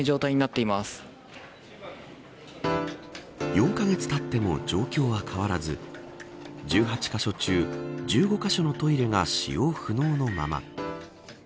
４カ月たっても状況は変わらず１８カ所中１５カ所のトイレが使用不能のまま。